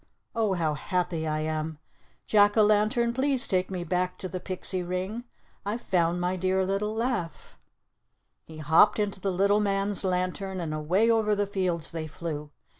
Oh, how happy I am! Jack o' Lantern, please take me back to the pixie ring. I've found my dear little laugh!" He hopped into the little man's lantern, and away over the fields they flew.